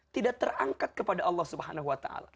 tidak terangkat kepada allah swt